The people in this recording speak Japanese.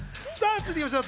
続いていきましょう。